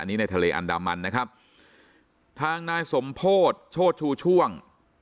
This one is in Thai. อันนี้ในทะเลอันดามันนะครับทางนายสมโพธิโชชูช่วง